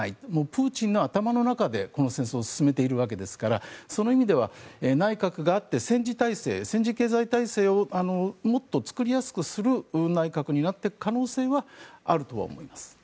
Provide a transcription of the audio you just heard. プーチンの頭の中でこの戦争を進めているわけですからその意味では内閣があって戦時体制、戦時経済体制をもっと作りやすくする内閣になっていく可能性はあると思います。